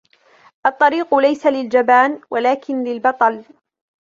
الطريق ليس للجبان ولكن للبطل.